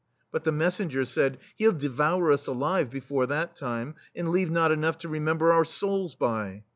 But the messengers said: "He'll devour us alive before that time, and leave not enough to remember our souls by."